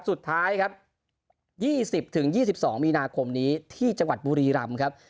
สุดท้ายครับ๒๐๒๒มีนาคมนี้ที่จังหวัดบุรีรำครับ